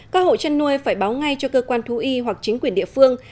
các hộ chăn nuôi phải báo ngay cho cơ quan thú y hoặc chính quyền địa phương